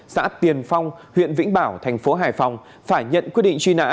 xã tiền phong huyện vĩnh bảo tp hải phòng phải nhận quyết định truy nã